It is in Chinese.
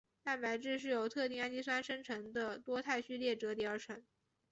蛋白质是由特定氨基酸生成的多肽序列折叠而成。